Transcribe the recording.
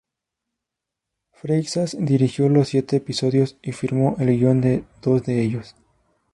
Freixas dirigió los siete episodios y firmó el guion de dos de ellos.